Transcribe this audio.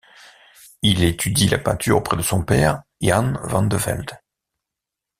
Il étudie la peinture auprès de son père Jan van de Velde.